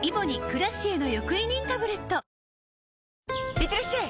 いってらっしゃい！